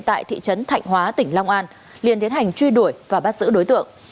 tại thị trấn thạnh hóa tỉnh long an liền tiến hành truy đuổi và bắt giữ đối tượng